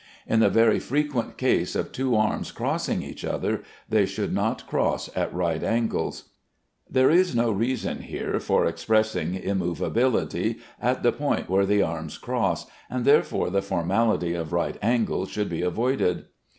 In the very frequent case of two arms crossing each other, they should not cross at right angles. There is no reason here for expressing immovability at the point where the arms cross, and therefore the formality of right angles should be avoided.